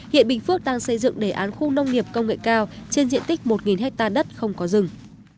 hiện bình phước đang xây dựng đề án khu nông nghiệp công nghệ cao trên diện tích một hectare đất không có rừng